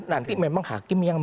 nanti memang hakim yang